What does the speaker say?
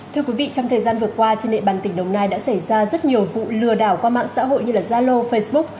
thưa quý vị trong thời gian vừa qua trên địa bàn tỉnh đồng nai đã xảy ra rất nhiều vụ lừa đảo qua mạng xã hội như zalo facebook